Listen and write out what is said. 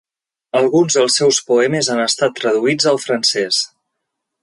Alguns dels seus poemes han estat traduïts al francès.